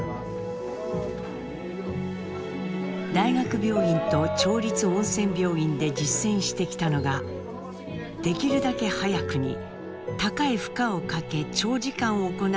大学病院と町立温泉病院で実践してきたのができるだけ早くに高い負荷をかけ長時間行うリハビリでした。